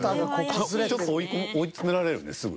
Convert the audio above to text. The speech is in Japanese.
ちょっと追い詰められるねすぐ。